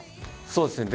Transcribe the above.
そうですね。